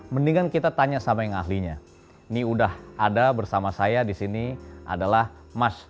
mendingan kita tanya sama yang ahlinya ini udah ada bersama saya disini adalah mas